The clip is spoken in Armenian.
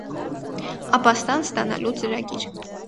ԱՊԱՍՏԱՆ ՍՏԱՆԱԼՈՒ ԾՐԱԳԻՐ